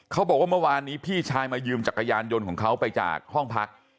เขาบอกว่าเมื่อวานนี้พี่ชายมายืมจักรยานยนต์ของเขาไปจากห้องพัก